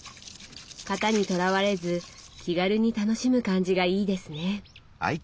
型にとらわれず気軽に楽しむ感じがいいですね。